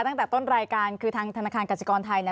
ตั้งแต่ต้นรายการคือทางธนาคารกสิกรไทย